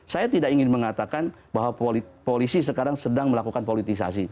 saya tidak ingin mengatakan bahwa polisi sekarang sedang melakukan politisasi